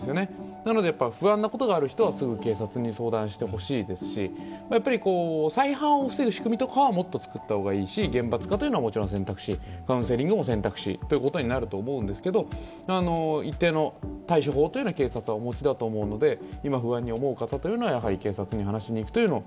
なので不安なことがある人はすぐ警察に相談してほしいですし再犯を防ぐ仕組みとかはもっと作った方がいいし厳罰化というのはもちろん選択肢、カウンセリングも選択肢ということになると思うんですけれども一定の対処法は、警察はお持ちだと思うので、今、不安に思う方は警察に話しに行くというのは